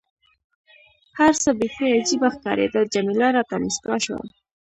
هر څه بیخي عجيبه ښکارېدل، جميله راته موسکۍ شوه.